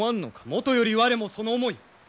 もとより我もその思い。